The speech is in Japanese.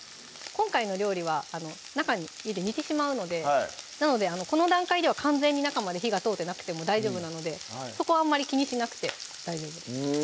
今回の料理は中に入れて煮てしまうのでなのでこの段階では完全に中まで火が通ってなくても大丈夫なのでそこはあんまり気にしなくて大丈夫です